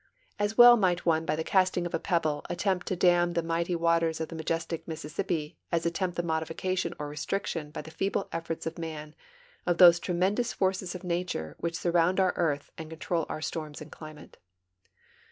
As well might one b}' the casting of a pebble attempt to dam the mighty waters of the majestic Mississippi as attempt the modification or restriction by the feeble efforts of man of those tremendous forces of nature which surround our earth and control our storms and climate.